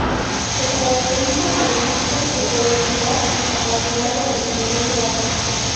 Se caracteriza además por su porosidad y capacidad de retención de agua.